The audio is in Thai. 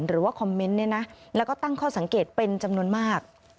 หรือว่าคอมเมนต์เนี่ยนะแล้วก็ตั้งข้อสังเกตเป็นจำนวนมาก